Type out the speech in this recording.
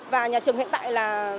và nhà trường hiện tại là